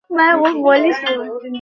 এই দেখ না।